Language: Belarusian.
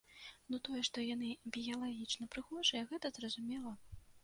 Ну, тое, што яны біялагічна прыгожыя, гэта зразумела.